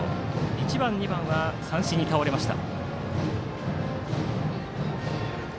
１番、２番は三振に倒れました。